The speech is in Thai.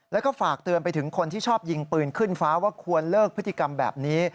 แล้วก็ฝากเตือนไปถึงคนที่ชอบยิงปืนขึ้นฟ้าว่าควรเลิกพฤติกรรมแบบนี้